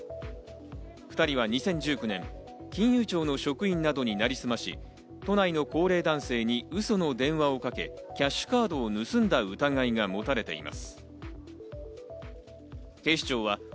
２人は２０１９年、金融庁の職員などになりすまし、都内の高齢男性にウソの電話をかけ、キャッシュカードを盗んだ疑いが持たれています。